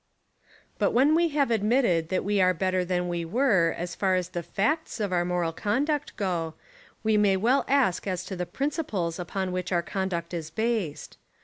But when we have admitted that we are bet ter than we were as far as the facts of our moral conduct go, we may well ask as to the principles upon which our conduct is based.